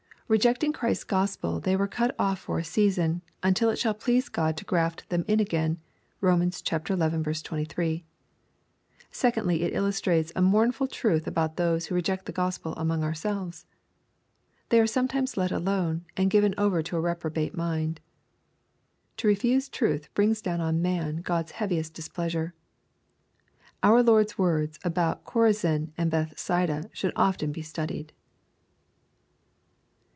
Rejecting Christ's G ospel they were cut oflF for a season, until it shall please God to graff them in again. (Rom. xi. 23.) Secondarily it illustrates a mournful truth about those who reject the Gospel among ourselves. They are some times let alone, and given over to a reprobate mind. To refuse • tmth brings down on man God's heaviest displeasure. Our Lord's words about Chorazin and Bethsaida should often be studied.